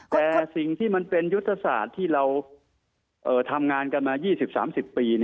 แต่สิ่งที่มันเป็นยุทธศาสตร์ที่เราทำงานกันมา๒๐๓๐ปี